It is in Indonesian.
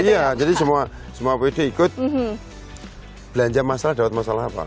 iya jadi semua apd ikut belanja masalah dapat masalah apa